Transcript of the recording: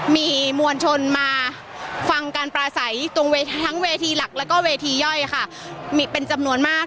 มีมวลชนมาฟังการปลาใสตรงทั้งเวทีหลักแล้วก็เวทีย่อยค่ะมีเป็นจำนวนมาก